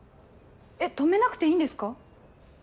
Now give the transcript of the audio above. えっ止めなくていいんですか？